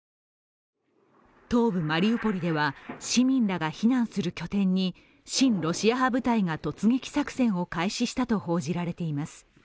東部マリウポリでは、市民らが避難する拠点に新ロシア派部隊が突撃作戦を開始したと報じられています。